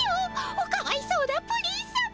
おかわいそうなプリンさま。